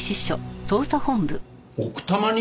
奥多摩に？